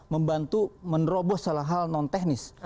membantu menerobos salah hal non teknis